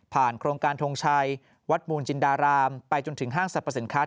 โครงการทงชัยวัดมูลจินดารามไปจนถึงห้างสรรพสินค้า